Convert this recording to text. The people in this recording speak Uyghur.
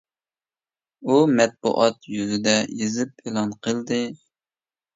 ئۇ مەتبۇئات يۈزىدە يېزىپ ئېلان قىلدى.